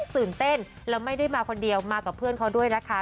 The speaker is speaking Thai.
ตื่นเต้นแล้วไม่ได้มาคนเดียวมากับเพื่อนเขาด้วยนะคะ